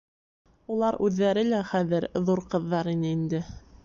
Улар үҙҙәре лә хәҙер ҙур ҡыҙҙар ине инде.